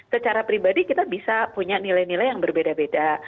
secara pribadi kita bisa punya nilai nilai yang berbeda beda